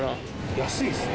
安いですね。